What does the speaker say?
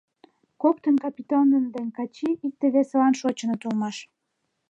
Коктын, Капитон ден Качий, икте-весылан шочыныт улмаш.